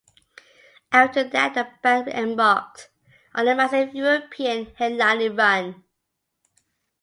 After that the band embarked on a massive European headlining run.